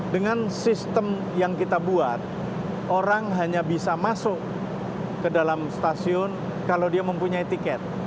dengan sistem yang kita buat orang hanya bisa masuk ke dalam stasiun kalau dia mempunyai tiket